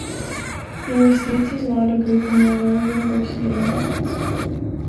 He received his law degree from Loyola University New Orleans.